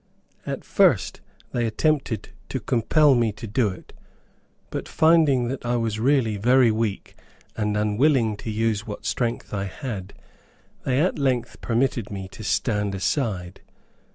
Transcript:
At first they attempted to compel me to do it; but, finding that I was really very weak, and unwilling to use what strength I had, they at length permitted me to stand aside.